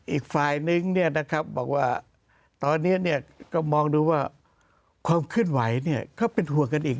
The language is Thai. อีกฝ่ายนึงบอกว่าตอนนี้ก็มองดูว่าความเคลื่อนไหวก็เป็นห่วงกันอีก